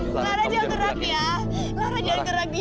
lara jangan gerak ya lara jangan gerak